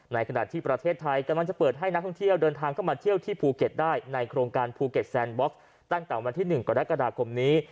ขณะที่ประเทศไทยกำลังจะเปิดให้นักท่องเที่ยวเดินทางเข้ามาเที่ยวที่ภูเก็ตได้ในโครงการภูเก็ตแซนบ็อกซ์ตั้งแต่วันที่๑กรกฎาคมนี้